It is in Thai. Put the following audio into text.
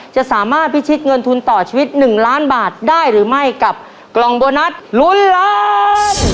จะสามารถพิชิตเงินทุนต่อชีวิต๑ล้านบาทได้หรือไม่กับกล่องโบนัสลุ้นล้าน